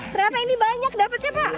ternyata ini banyak dapatnya pak